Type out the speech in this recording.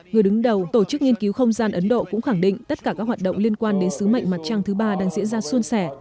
người đứng đầu tổ chức nghiên cứu không gian ấn độ cũng khẳng định tất cả các hoạt động liên quan đến sứ mệnh mặt trăng thứ ba đang diễn ra xuân sẻ